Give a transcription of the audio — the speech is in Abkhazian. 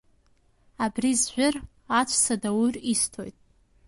Абри зжәыр, аҵәца Дауҭ исҭоит!